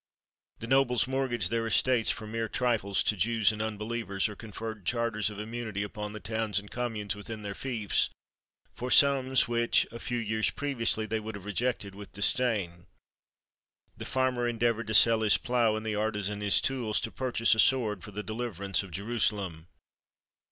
The nobles mortgaged their estates for mere trifles to Jews and unbelievers, or conferred charters of immunity upon the towns and communes within their fiefs, for sums which, a few years previously, they would have rejected with disdain. The farmer endeavoured to sell his plough, and the artisan his tools, to purchase a sword for the deliverance of Jerusalem.